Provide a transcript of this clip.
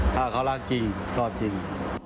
ถ้าเขารักจริงก็รักจริง